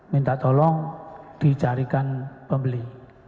minta tolong dicarikan pembeli